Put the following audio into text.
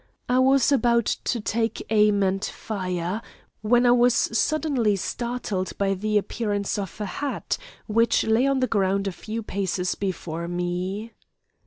I was about to take aim and fire, when I was suddenly startled by the appearance of a hat which lay on the ground a few paces before me.